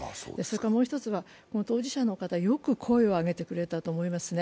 もう一つは、当事者の方、よく声を上げてくれたと思いますね。